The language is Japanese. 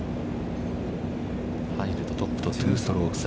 入るととトップと２ストローク差。